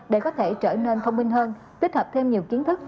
để có thể trở nên thông minh hơn tích hợp thêm nhiều kiến thức